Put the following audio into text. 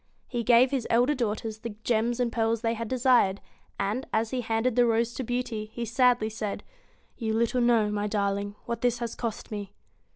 He gave his elder daughters the gems and pearls they had desired, and, as he handed the rose to Beauty, he sadly said, 'You little know, my darling, what this has cost me.'